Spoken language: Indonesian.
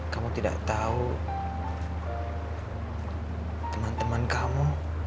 kamu tidak tahu teman teman kamu